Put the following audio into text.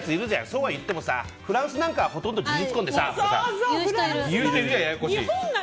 そうはいってもフランスなんかはほとんど事実婚でさみたいな。